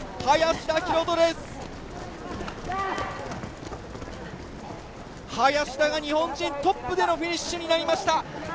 林田が日本人トップでのフィニッシュになりました。